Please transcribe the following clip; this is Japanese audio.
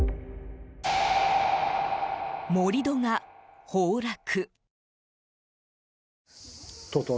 盛り土が崩落。